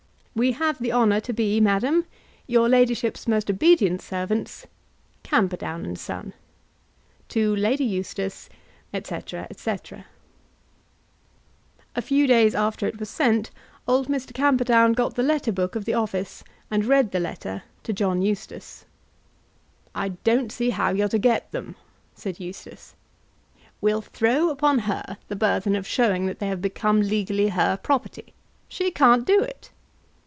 We have the honour to be, Madam, Your ladyship's most obedient servants, CAMPERDOWN & SON. To Lady Eustace. &c. &c. A few days after it was sent old Mr. Camperdown got the letter book of the office and read the letter to John Eustace. "I don't see how you're to get them," said Eustace. "We'll throw upon her the burthen of showing that they have become legally her property. She can't do it."